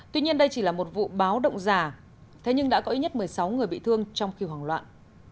tuy nhiên đây chỉ là một vụ báo động giả thế nhưng đã có ít nhất một mươi sáu người bị thương trong khi hoảng loạn